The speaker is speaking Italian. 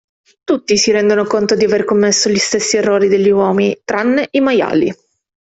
Tutti si rendono conto di aver commesso gli stessi errori degli uomini, tranne i maiali.